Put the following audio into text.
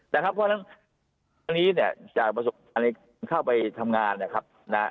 แต่ครับเพราะฉะนั้นตอนนี้เนี่ยจากประสบความในเข้าไปทำงานนะครับ